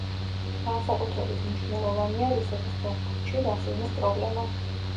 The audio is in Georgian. განსაკუთრებით მნიშვნელოვანია რუსეთის ფეხბურთში რასიზმის პრობლემა.